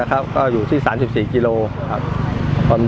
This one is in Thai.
อาหาร